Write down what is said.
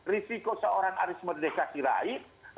risiko seorang arismerdekasi lain